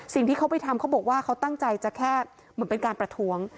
สิ่งที่เขาไปทำเขาบอกว่าเขาตั้งใจจะแค่เหมือนเป็นการประท้วง